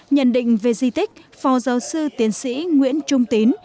nhận định về di tích phó giáo sư tiến sĩ nguyễn trung tín